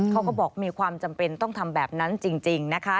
เขาก็บอกมีความจำเป็นต้องทำแบบนั้นจริงนะคะ